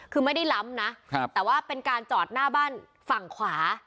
คือไม่ได้ล้ำนะแต่ว่าเป็นการจอดหน้าบ้านฝั่งขวา